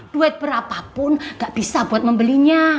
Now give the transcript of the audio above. duit berapapun gak bisa buat membelinya